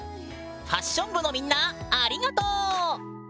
ファッション部のみんなありがとう！